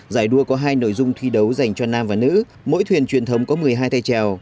giải đua có hai nội dung thi đấu dành cho nam và nữ mỗi thuyền truyền thống có một mươi hai tay trèo